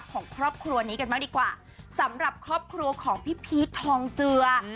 ของครอบครัวนี้กันบ้างดีกว่าสำหรับครอบครัวของพี่พีชทองเจือ